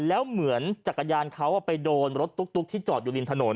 แล้วเหมือนจักรยานเขาไปโดนรถตุ๊กที่จอดอยู่ริมถนน